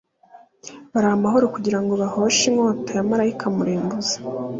bari amahoro kugira ngo ahoshe inkota ya malayika murimbuzi